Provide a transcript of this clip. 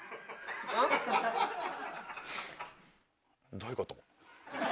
どういうこと？